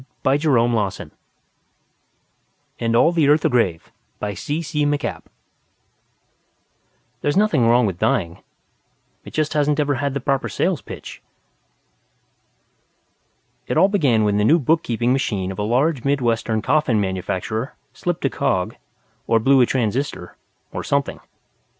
|||++AND ALL THE EARTH A GRAVE BY C.C. MacAPP ILLUSTRATED BY GAUGHAN There's nothing wrong with dying it just hasn't ever had the proper sales pitch! It all began when the new bookkeeping machine of a large Midwestern coffin manufacturer slipped a cog, or blew a transistor, or something.